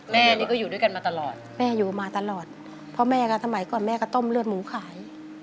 แม่นี่ก็อยู่ด้วยกันมาตลอดแม่อยู่มาตลอดเพราะแม่ก็สมัยก่อนแม่ก็ต้มเลือดหมูขาย